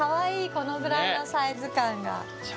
このぐらいのサイズ感が。